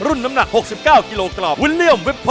น้ำหนัก๖๙กิโลกรัม